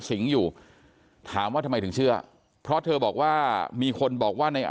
สิงห์อยู่ถามว่าทำไมถึงเชื่อเพราะเธอบอกว่ามีคนบอกว่าใน